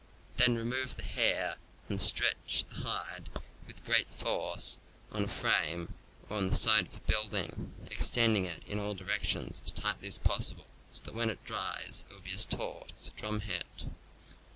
Then remove the hair and stretch the hide with great force on a frame or on the side of a building, extending it in all directions as tightly as possible, so that when it dries it will be as taut as a drumhead.